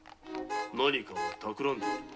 何かをたくらんでいるな。